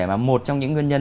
mà một trong những nguyên nhân